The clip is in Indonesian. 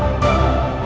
masih masih yakin